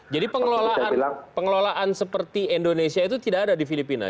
jadi pengelolaan seperti indonesia itu tidak ada di filipina